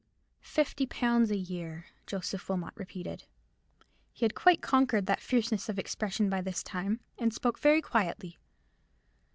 "Fifty pounds a year," Joseph Wilmot repeated. He had quite conquered that fierceness of expression by this time, and spoke very quietly.